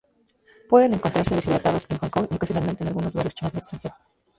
Pueden encontrarse, deshidratados, en Hong Kong y ocasionalmente en algunos barrios chinos del extranjero.